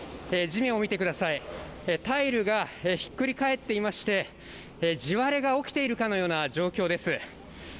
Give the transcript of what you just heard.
地面を見てくださいタイルがひっくり返っていまして、地割れが起きているかのような状況です。